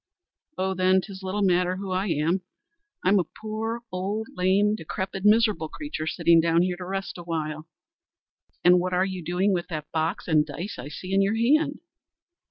"Oh, then, 'tis little matter who I am. I'm a poor, old, lame, decrepit, miserable creature, sitting down here to rest awhile." "An' what are you doing with that box and dice I see in your hand?"